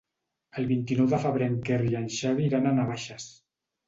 El vint-i-nou de febrer en Quer i en Xavi iran a Navaixes.